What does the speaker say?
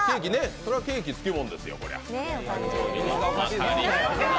そりゃケーキつきものですよ。